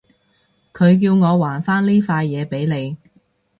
佢叫我還返呢塊嘢畀你